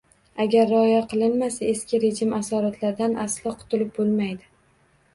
Agar rioya qilinmasa eski rejim asoratlaridan aslo qutilib bo‘lmaydi